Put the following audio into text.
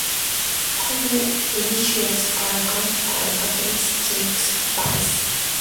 Tanner initiates a gunfight against Jake's advice.